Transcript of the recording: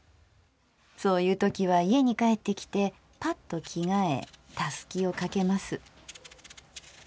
そういうときは家に帰ってきてパッと着替えたすきをかけます。